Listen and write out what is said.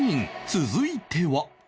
続いては